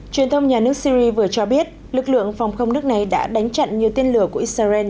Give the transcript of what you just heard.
truyền thông nhà nước syri vừa cho biết lực lượng phòng không nước này đã đánh chặn nhiều tiên lửa của israel